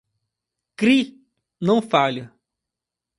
Kri não falha.